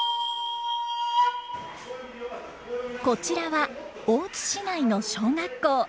こちらは大津市内の小学校。